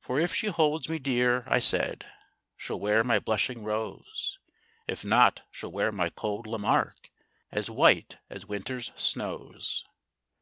For if she holds me dear, I said, She'll wear my blushing rose; If not, she'll wear my cold Lamarque, As white as winter's snows.